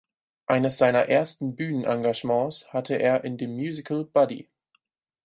Eines seiner ersten Bühnenengagements hatte er in dem Musical "Buddy".